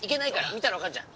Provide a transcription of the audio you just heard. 見たらわかるじゃん！